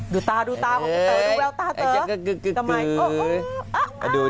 ดูตาของคุณเต๋อดีแบบตาเต๋อ